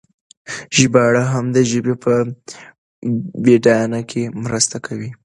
ژباړې هم د ژبې په بډاینه کې مرسته کوي.